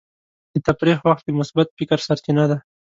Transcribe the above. د تفریح وخت د مثبت فکر سرچینه ده.